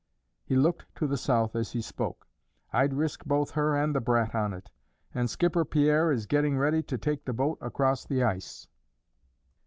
He looked to the south as he spoke. "I'd risk both her and the brat on it; and Skipper Pierre is getting ready to take the boat across the ice."